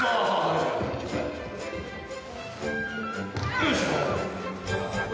よいしょ！